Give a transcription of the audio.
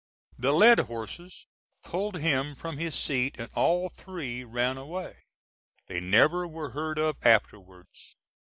The led horses pulled him from his seat and all three ran away. They never were heard of afterwards.